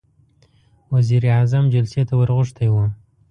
وزير اعظم جلسې ته ور غوښتی و.